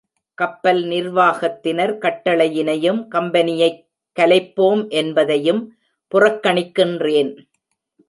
கப்பல் நிர்வாகத்தினர் கட்டளையினையும் கம்பெனியைக் கலைப்போம் என்பதையும் புறக்கணிக்கின்றேன்.